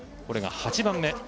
これが８番目。